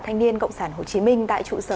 thanh niên cộng sản hồ chí minh tại trụ sở